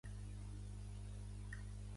El petit es diu José.